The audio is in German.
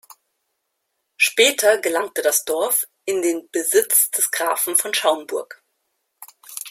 Später gelangte das Dorf in den Besitz des Grafen von Schaumburg.